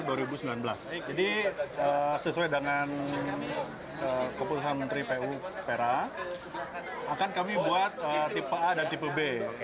jadi sesuai dengan keputusan menteri pu pera akan kami buat tipe a dan tipe b